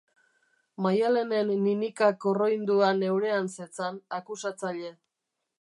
Maialenen ninika karroindua neurean zetzan, akusatzaile.